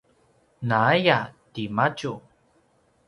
naaya timadju